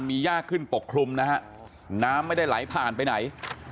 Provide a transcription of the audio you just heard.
มียากขึ้นปกคลุมนะฮะน้ำไม่ได้ไหลผ่านไปไหน